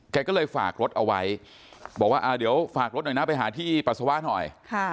แกก็เลยฝากรถเอาไว้บอกว่าเดี๋ยวฝากรถหน่อยนะไปหาที่ปัสสาวะหน่อย